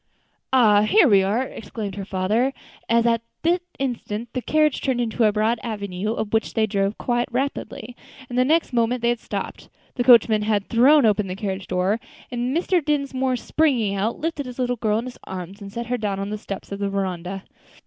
"Ah! here we are," exclaimed her father, as at that instant the carriage turned into a broad avenue, up which they drove quite rapidly, and the next moment they had stopped, the coachman had thrown open the carriage door, and Mr. Dinsmore, springing out, lifted his little girl in his arms and set her down on the steps of the veranda.